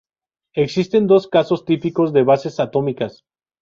Existen dos casos típicos de bases atómicas.